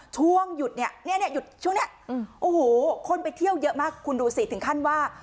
ช่วงหยุดเนี่ยคนไปเที่ยวเยอะมากคุณดูสิถึงขั้นว่า